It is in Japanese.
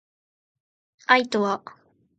愛とは